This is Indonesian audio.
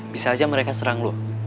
bisa aja mereka serang lu